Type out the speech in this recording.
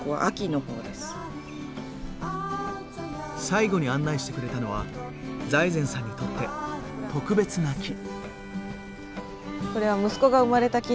最後に案内してくれたのは財前さんにとって特別な木。